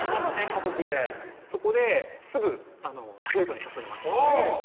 家族でそこですぐデートに誘いましたおぉ！